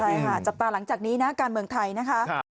ใช่ค่ะจับตาหลังจากนี้นะการเมืองไทยนะคะ